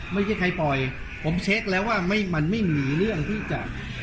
ไม่ใช่ใครปล่อยผมเช็คแล้วว่ามันไม่มีเรื่องที่จะ